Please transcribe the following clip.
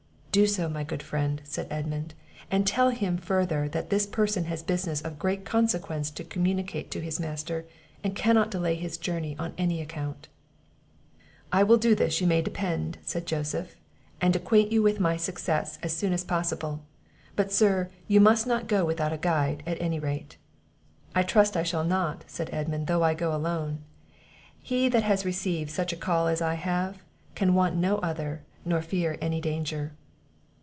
"Do so, my good friend," said Edmund; "and tell him, further, that this person has business of great consequence to communicate to his master, and cannot delay his journey on any account." "I will do this, you may depend," said Joseph, "and acquaint you with my success as soon as possible; but, sir, you must not go without a guide, at any rate." "I trust I shall not," said Edmund, "though I go alone; he that has received such a call as I have, can want no other, nor fear any danger."